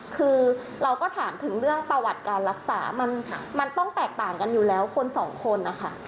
คือเราก็ถามถึงเรื่องประวัติการรักษามันต้องแตกต่างกันอยู่แล้วคนสองคนนะคะ